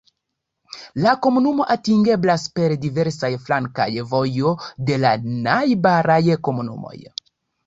La komunumo atingeblas per diversaj flankaj vojo de la najbaraj komunumoj.